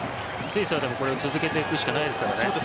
スイスはこれを続けていくしかないですからね。